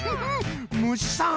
むしさん。